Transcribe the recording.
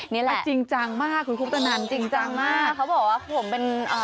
นี่แหละจริงจังมากคุณครูปนันจริงจังมากเขาบอกว่าผมเป็นเอ่อ